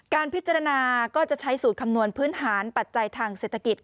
การพิจารณาก็จะใช้สูตรคำนวณพื้นฐานปัจจัยทางเศรษฐกิจ